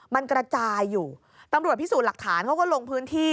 มันกระจายอยู่ตำรวจพิสูจน์หลักฐานเขาก็ลงพื้นที่